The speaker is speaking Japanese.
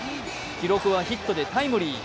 記録はヒットでタイムリー。